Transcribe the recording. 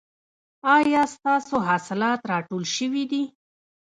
ایا ستاسو حاصلات راټول شوي دي؟